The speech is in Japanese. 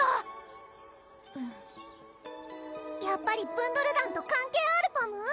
やっぱりブンドル団と関係あるパム？